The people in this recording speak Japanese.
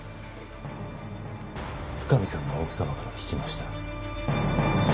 深海さんの奥様から聞きました。